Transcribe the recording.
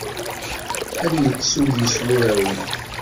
Ad d-nekkes udi s wurawen.